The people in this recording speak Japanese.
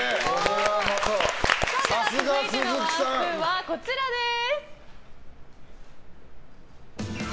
では続いてのワンスプーンはこちらです。